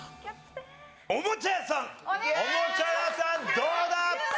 おもちゃ屋さんどうだ？